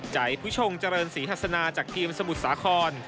ใจผู้ชงเจริญศรีทัศนาจากทีมสมุทรสาคร